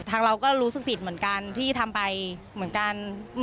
เราก็รู้สึกผิดเหมือนกันที่ทำไปเหมือนกัน